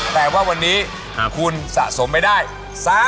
แปลว่าวันนี้คุณสะสมไม่ได้๓๐๐๐๐บาท